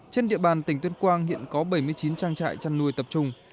trên địa bàn tỉnh tuyên quang hiện có bảy mươi chín trang trại chăn nuôi tập trung